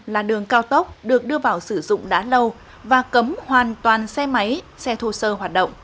là đường cao tốc được đưa vào sử dụng đã lâu và cấm hoàn toàn xe máy xe thô sơ hoạt động